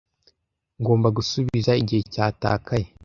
Ngomba gusubiza igihe cyatakaye.